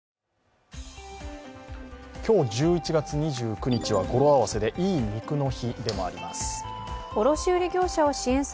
今日１１月２９日は語呂合わせでいい肉の日でもあります。